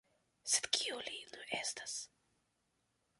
Sed kiu li nu estas?.